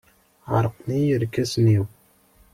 Ɛerqen yirkasen-iw.